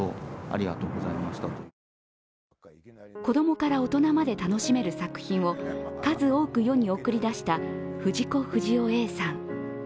子供から大人まで楽しめる作品を数多く世に送り出した藤子不二雄Ａさん。